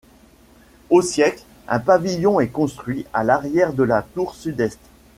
Au siècle, un pavillon est construit à l'arrière de la tour sud-est.